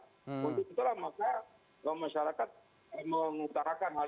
untuk itulah maka masyarakat mengutarakan hal hal